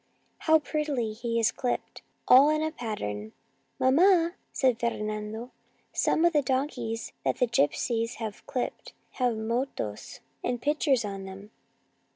" How prettily he is clipped, all in a pattern." "Mamma," said Fernando, "some of the donkeys that the gipsies have clipped have mottoes and pictures on them.